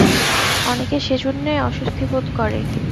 অনেকে সেজন্য অস্বস্তিবোধ করে।